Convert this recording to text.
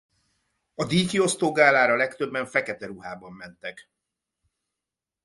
A díjkiosztó gálára legtöbben fekete ruhában mentek.